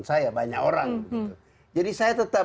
saya banyak orang jadi saya tetap